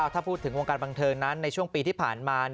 ถ้าพูดถึงวงการบันเทิงนั้นในช่วงปีที่ผ่านมา